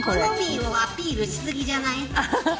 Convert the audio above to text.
エコノミーをアピールしすぎじゃない。